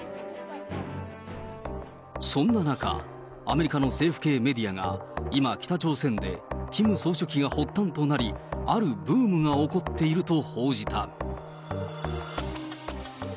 そんな中、アメリカの政府系メディアが、今、北朝鮮でキム総書記が発端となり、あるブームが起こっていると報じた。